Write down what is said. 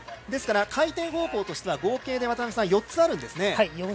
ですから回転方向としては合計で４つあるんですね。